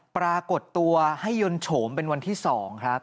ปรากฏตัวให้ยนต์โฉมเป็นวันที่๒ครับ